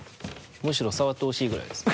むしろ触ってほしいぐらいです。